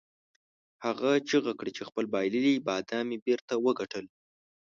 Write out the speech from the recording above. هغه چیغه کړه چې خپل بایللي بادام مې بیرته وګټل.